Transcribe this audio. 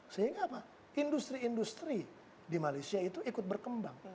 sehingga apa industri industri di malaysia itu ikut berkembang